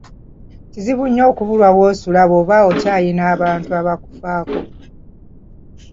Kizibu nnyo okubulwa w'osula bwoba okyayina abantu abakufaako.